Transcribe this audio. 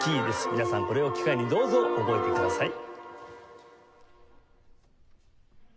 皆さんこれを機会にどうぞ覚えてください。